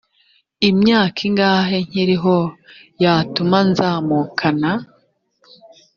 imyaka ingahe nkiriho yatuma nzamukana